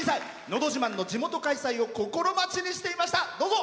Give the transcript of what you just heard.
「のど自慢」の地元開催を心待ちにしていました。